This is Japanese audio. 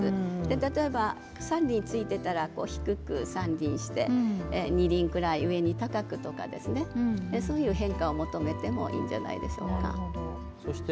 例えば、３輪ついててたら低くして２輪くらい高くとかそういう変化を求めてもいいんじゃないでしょうか。